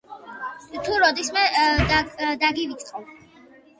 თუ როდისმე დაგივიწყო!